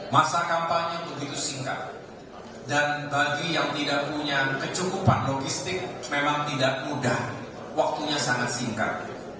masa kampanye begitu singkat dan bagi yang tidak punya kecukupan logistik memang tidak mudah waktunya sangat singkat